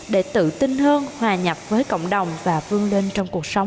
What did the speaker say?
để tự tin hơn hòa nhập với cộng đồng và vương lên trong cuộc sống